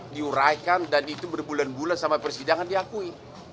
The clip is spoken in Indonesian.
diuraikan dan itu berbulan bulan sampai persidangan diakui